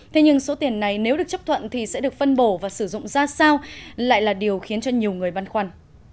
thế nhưng số tiền này nếu được chấp thuận thì sẽ được phân bổ và sử dụng ra sao lại là điều khiến cho nhiều người băn khoăn